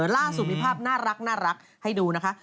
ล่าสุดมีภาพน่ารักให้ดูนะคะ